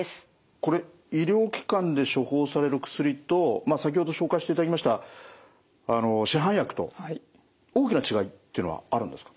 これ医療機関で処方される薬と先ほど紹介していただきました市販薬と大きな違いっていうのはあるんですか？